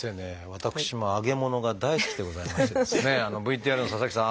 私も揚げ物が大好きでございましてですねＶＴＲの佐々木さん